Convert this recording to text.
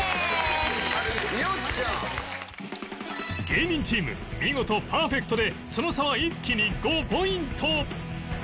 芸人チーム見事パーフェクトでその差は一気に５ポイント